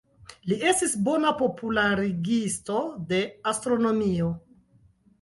Li estis bona popularigisto de astronomio.